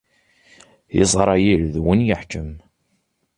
Isṛayil, d win yeḥkem.